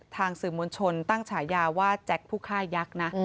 ทางสื่อมวลชนตั้งฉายาว่าแจ็คผู้ฆ่ายักษ์นะ